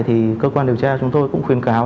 thì cơ quan điều tra chúng tôi cũng khuyến cáo